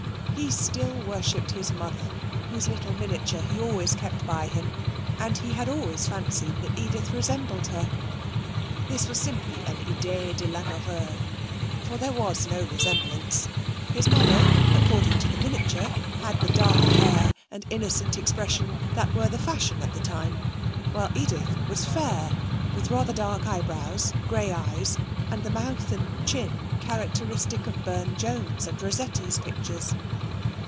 He still worshipped his mother, whose little miniature he kept always by him, and he had always fancied that Edith resembled her. This was simply an idée d'amoureux, for there was no resemblance. His mother, according to the miniature, had the dark hair and innocent expression that were the fashion at the time, while Edith was fair, with rather dark eyebrows, grey eyes and the mouth and chin characteristic of Burne Jones's and Rossetti's pictures.